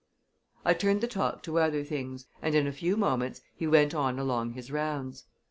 I turned the talk to other things, and in a few moments he went on along his rounds.